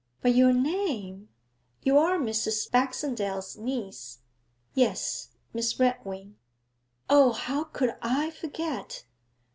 But your name ? You are Mrs. Baxendale's niece.' 'Yes; Miss Redwing.' 'O, how could I forget!'